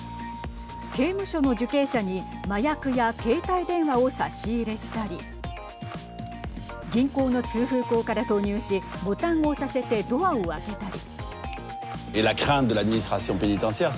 刑務所の受刑者に麻薬や携帯電話を差し入れしたり銀行の通風孔から投入しボタンを押させてドアを開けたり。